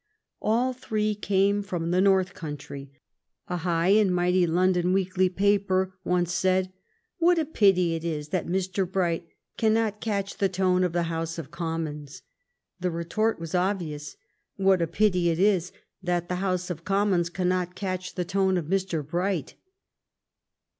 All three came from the " North Countree." A high and mighty London weekly paper once said :" What a pity it is that Mr. Bright cannot catch the tone of the House of Commons !" The retort was obvious — What a pity it is that the House of Commons cannot catch the tone of Mr. Bright